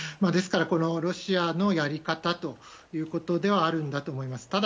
ですからロシアのやり方ということではあるんだと思います。